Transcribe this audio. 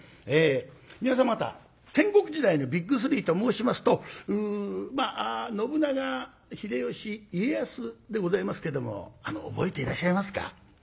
皆様方戦国時代のビッグ３と申しますと信長秀吉家康でございますけども覚えていらっしゃいますか？